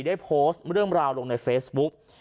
ได้โพสต์เรื่องราวลงในเฟซบุ๊ก